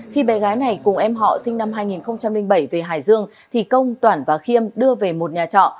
khi bé gái này cùng em họ sinh năm hai nghìn bảy về hải dương thì công toản và khiêm đưa về một nhà trọ